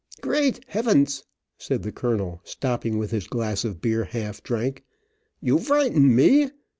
"Great hefens," said the colonel, stopping with his glass of beer half drank, "you vrighten me.